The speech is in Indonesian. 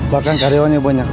bahkan karyawannya banyak